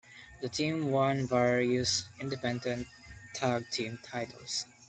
The team won various independent tag team titles.